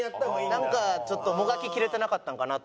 なんかちょっともがききれてなかったんかなと。